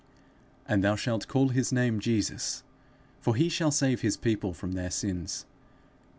and thou shalt call his name Jesus; for he shall save his people from their sins.